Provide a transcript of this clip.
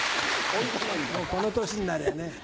もうこの年になりゃね。